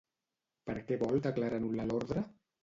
Per què vol declarar nul·la l'ordre?